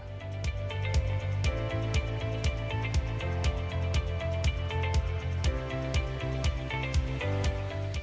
bagaimana cara mengambil resiko